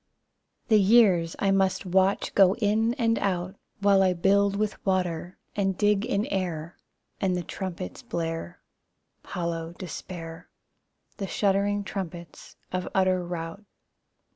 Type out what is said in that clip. The years I must watch go in and out, While I build with water, and dig in air, And the trumpets blare Hollow despair, The shuddering trumpets of utter rout.